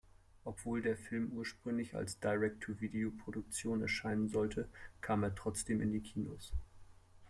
Obwohl der Film ursprünglich als Direct-to-Video-Produktion erscheinen sollte, kam er trotzdem in die Kinos.